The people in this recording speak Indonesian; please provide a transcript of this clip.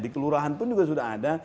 di kelurahan pun juga sudah ada